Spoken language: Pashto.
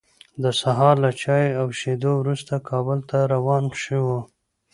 د سهار له چای او شیدو وروسته، کابل ته روان شوو.